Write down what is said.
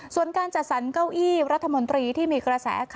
ส่วนการจัดสรรเก้าอี้รัฐมนตรีที่มีกระแส